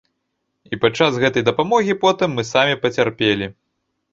І падчас гэтай дапамогі потым мы самі пацярпелі.